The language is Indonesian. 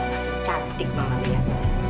makin cantik mama lihat